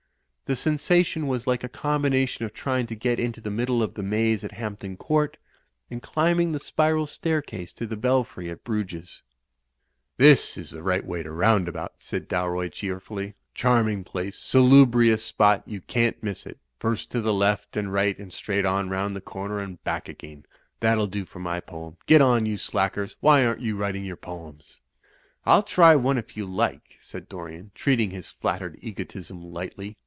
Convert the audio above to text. The sensation was like a combination of tryitijf to get into the middle of the maze at Hampton Court, and climbing the spiral staircase to the Belfry at Bruges. u,y,u.«u by Google THE ROAD TO ROUNDABOUT 265 "This is the right way to Roundabout," said Dalroy, cheerfully, "charming place; salubrious spot. You can't miss it. First to the left and right and straight on rotmd the comer and back again. That'll do for my poem. Get on, you slackers; why aren't you writing your poems?" *T'll try one if you like," said Dorian, treating his flattered egotism lightly.